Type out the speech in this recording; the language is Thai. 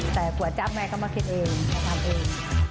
แต่ก๋วยจับแม่ก็มาคิดเองเขาทำเอง